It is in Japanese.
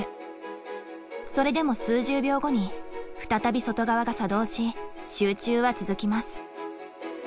それでも数十秒後に再び外側が作動し集中は続きます。